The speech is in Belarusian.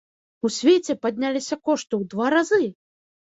У свеце падняліся кошты ў два разы!